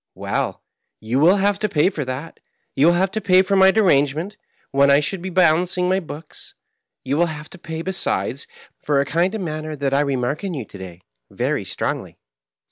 Well, you will have to pay for that ; you will have to pay for my derangement, when I should be balancing my books ; you will have to pay, besides, for a kind of manner that I remark in you to day very strongly.